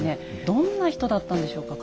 どんな人だったんでしょうか？